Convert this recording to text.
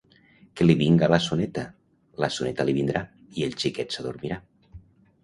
Que li vinga la soneta. La soneta li vindrà, i el xiquet s’adormirà.